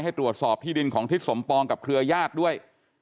ให้ตรวจสอบที่ดินของทฤษภรรณ์สปกับเครือยาธิด้วย